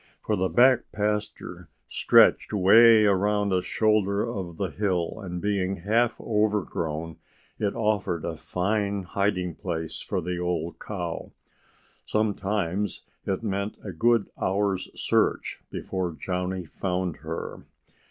For the back pasture stretched way around a shoulder of the hill, and being half overgrown it offered a fine hiding place for the old cow. Sometimes it meant a good hour's search before Johnnie found her.